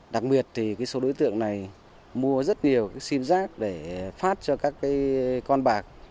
đặc biệt thì số đối tượng này mua rất nhiều sim giác để phát cho các con bạc